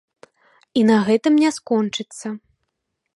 І на гэтым не скончыцца.